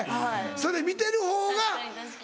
それで見てるほうが。